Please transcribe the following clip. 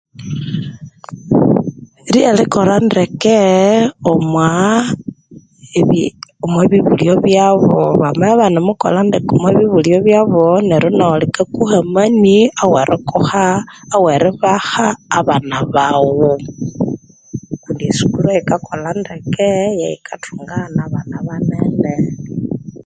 Lyerikolha ndeke omwa ah ebye omwa bibulyo byabu bamabya ibanemukolha ndeke omwa bibulyo byabu neryo naghu likakuha amani awerikuha aweribaha abana baghu kundi esukuru eyikakolha ndeke yeyikathunga nabana banene